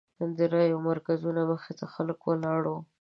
د رایو مرکزونو مخې ته خلک ولاړ وو.